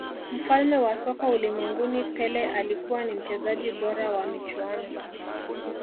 mfalme wa soka ulimwenguni pele alikuwa ni mchezaji bora wa michuano